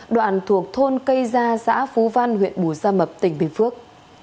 đoạn thuộc thôn cây gia xã phú văn huyện bù gia mập tỉnh bình phước